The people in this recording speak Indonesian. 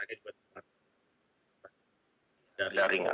maka saya juga sempat berbelanja